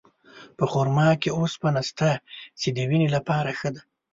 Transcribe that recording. په خرما کې اوسپنه شته، چې د وینې لپاره ښه ده.